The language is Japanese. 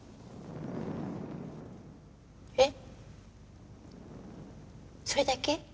えっ？それだけ？